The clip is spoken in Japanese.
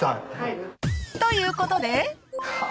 ［ということで］は。